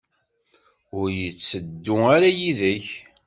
Ur yetteddu ara yid-k?